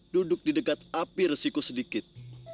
duduk di dekat api resiko sedikit